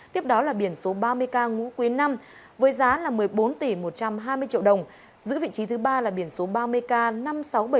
tiếp đó là biển số ba mươi ca ngũ quý năm với giá là một mươi bốn tỷ một trăm hai mươi triệu đồng giữ vị trí thứ ba là biển số ba mươi ca